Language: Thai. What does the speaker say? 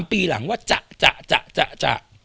ปีหลังว่าจะ